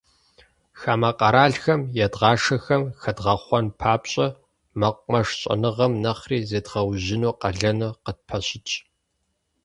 Хамэ къэралхэм едгъашэхэм хэдгъэхъуэн папщӏэ, мэкъумэш щӏэныгъэм нэхъри зедгъэужьыну къалэну къытпэщытщ.